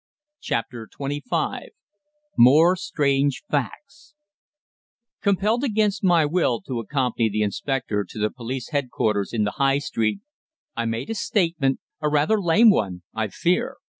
CHAPTER TWENTY FIVE MORE STRANGE FACTS Compelled against my will to accompany the inspector to the police head quarters in the High Street, I made a statement a rather lame one, I fear.